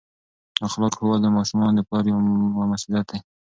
اخلاق ښوول د ماشومانو د پلار یوه مسؤلیت ده.